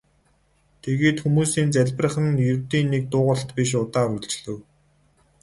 Тэгээд хүмүүсийн залбирах нь ердийн нэг дуугаралт биш удаан үргэлжлэв.